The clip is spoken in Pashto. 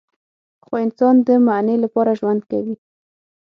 خو انسان د معنی لپاره ژوند کوي.